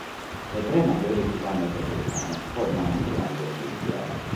Le tre maggiori città metropolitane formano un triangolo industriale.